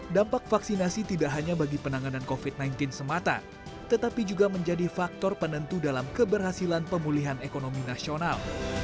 dampak vaksinasi tidak hanya bagi penanganan covid sembilan belas semata tetapi juga menjadi faktor penentu dalam keberhasilan pemulihan ekonomi nasional